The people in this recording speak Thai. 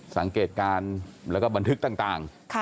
สังเกตการณ์แล้วก็บันทึกต่าง